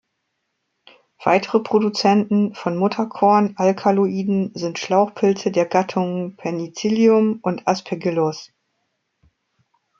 Weitere Produzenten von Mutterkornalkaloiden sind Schlauchpilze der Gattungen Penicillium und Aspergillus.